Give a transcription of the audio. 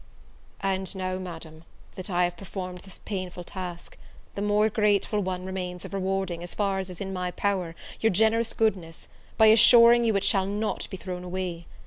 And now, Madam, that I have performed this painful task, the more grateful one remains of rewarding, as far as is in my power, your generous goodness, by assuring you it shall not be thrown away.